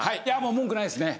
文句ないですね！